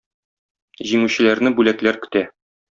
Җиңүчеләрне бүләкләр көтә.